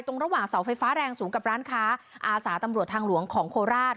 ระหว่างเสาไฟฟ้าแรงสูงกับร้านค้าอาสาตำรวจทางหลวงของโคราช